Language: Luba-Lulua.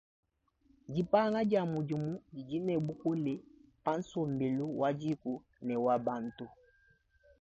Dipanga dia mudimu didi ne bukole pa nsombelu wa dîku ne wa bantu.